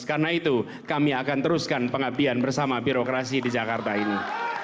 karena itu kami akan teruskan pengabdian bersama birokrasi di jakarta ini